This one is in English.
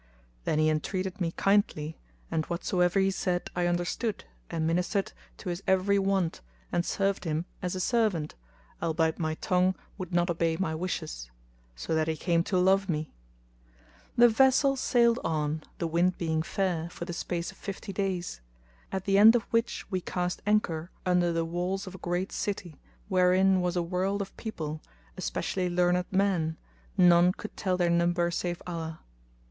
Then he entreated me kindly and whatsoever he said I understood and ministered to his every want and served him as a servant, albeit my tongue would not obey my wishes; so that he came to love me. The vessel sailed on, the wind being fair, for the space of fifty days; at the end of which we cast anchor under the walls of a great city wherein was a world of people, especially learned men, none could tell their number save Allah.